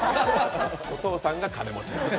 お父さんが金持ち。